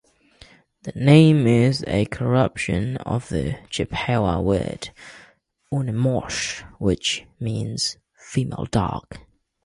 The name is a corruption of the Chippewa word "uhnemoosh", which means "female dog.